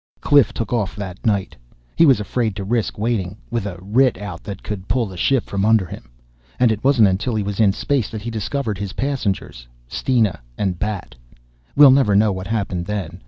Cliff took off that night. He was afraid to risk waiting with a writ out that could pull the ship from under him. And it wasn't until he was in space that he discovered his passengers Steena and Bat. We'll never know what happened then.